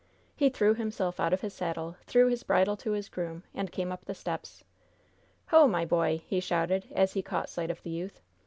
He threw himself out of his saddle, threw his bridle to his groom, and came up the steps. "Ho, my boy!" he shouted, as he caught sight of the youth.